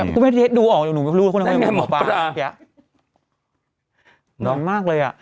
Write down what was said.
ก็ไม่ได้ดูออกหนูไม่รู้ว่าคนนั้นมันมันมันมันมากเลยอ่ะ